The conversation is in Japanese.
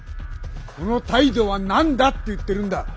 その態度は何だって言ってるんだ！